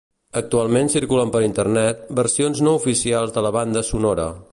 Actualment circulen per Internet, versions no oficials de la banda sonora.